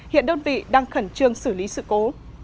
hiện đơn vị đang khẩn trương xử lý sự cố